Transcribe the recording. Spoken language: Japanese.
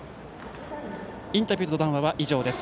インタビューと談話は以上です。